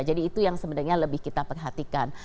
jadi itu yang sebenarnya lebih kita perhatikan